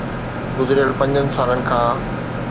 گذريل پنجن سالن کان